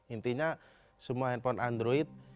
intinya semua handphone android